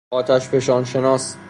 آتشفشان شناس